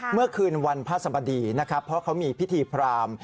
เมื่อคืนวันพระสบดีนะครับเพราะเขามีพิธีพราม